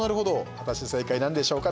果たして正解なんでしょうか？